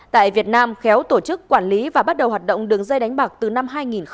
tại việt nam khéo tổ chức quản lý và bắt đầu hoạt động đường dây đánh bạc từ năm hai nghìn một mươi